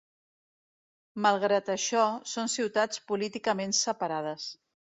Malgrat això, són ciutats políticament separades.